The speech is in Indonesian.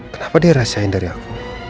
kenapa dia rasain dari aku